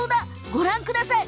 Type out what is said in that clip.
ご覧ください。